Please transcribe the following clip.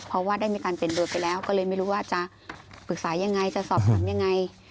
เพราะว่าได้มีการเปลี่ยนโดยไปแล้วก็เลยไม่รู้ว่าจะปรึกษายังไงจะสอบถามยังไง